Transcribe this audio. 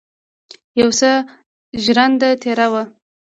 یو څه ژرنده تېره وه.